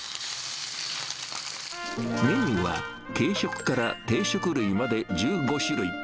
メニューは軽食から定食類まで１５種類。